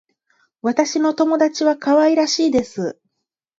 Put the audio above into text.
私の友達は可愛らしいです。